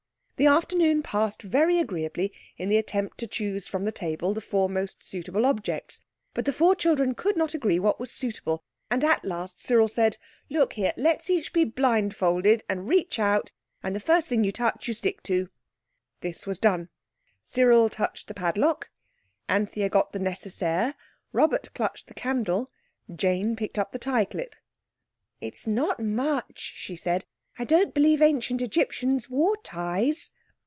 The afternoon passed very agreeably in the attempt to choose from the table the four most suitable objects. But the four children could not agree what was suitable, and at last Cyril said— "Look here, let's each be blindfolded and reach out, and the first thing you touch you stick to." This was done. Cyril touched the padlock. Anthea got the Nécessaire. Robert clutched the candle. Jane picked up the tie clip. "It's not much," she said. "I don't believe Ancient Egyptians wore ties."